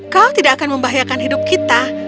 kau tidak akan membahayakan hidup kita